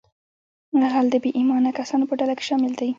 غل د بې ایمانه کسانو په ډله کې شامل دی